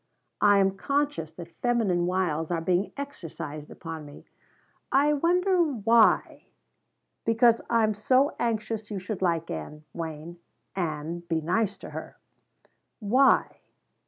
"I am conscious that feminine wiles are being exercised upon me. I wonder why?" "Because I am so anxious you should like Ann, Wayne, and be nice to her." "Why?"